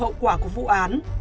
hậu quả của vụ án